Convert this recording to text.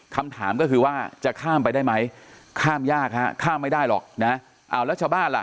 คำถามก็คือว่าจะข้ามไปได้ไหมข้ามยากฮะข้ามไม่ได้หรอกนะเอาแล้วชาวบ้านล่ะ